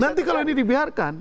nanti kalau ini dibiarkan